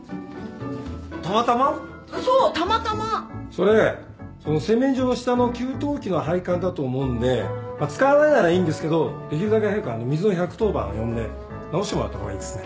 それその洗面所の下の給湯器の配管だと思うんで使わないならいいんですけどできるだけ早く水の１１０番呼んで直してもらった方がいいですね。